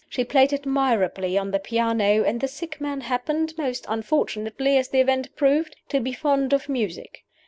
She played admirably on the piano; and the sick man happened most unfortunately, as the event proved to be fond of music.